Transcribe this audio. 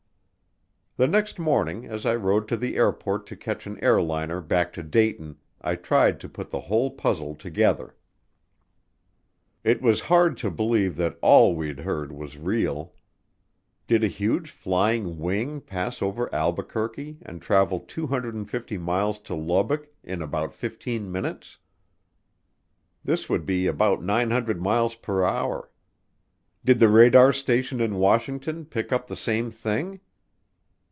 The next morning as I rode to the airport to catch an airliner back to Dayton I tried to put the whole puzzle together. It was hard to believe that all Fd heard was real. Did a huge flying wing pass over Albuquerque and travel 250 miles to Lubbock in about fifteen minutes? This would be about 900 miles per hour. Did the radar station in Washington pick up the same thing?